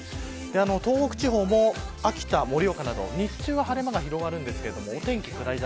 東北地方も秋田、盛岡など日中は晴れ間が広がるんですがお天気下り坂。